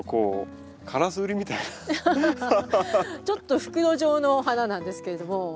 ちょっと袋状の花なんですけれども。